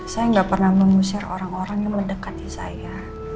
saya nggak pernah mengusir orang orang yang mendekati saya